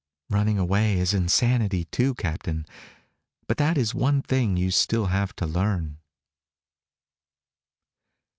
"Running away is insanity, too, Captain. But that is one thing you still have to learn."